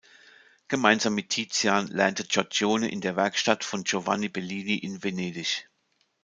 Gemeinsam mit Tizian lernte Giorgione in der Werkstatt von Giovanni Bellini in Venedig.